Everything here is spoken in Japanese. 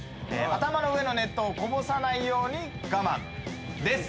頭の上の熱湯をこぼさないようにガマンです。